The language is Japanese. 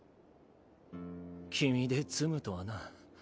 君で詰むとはな。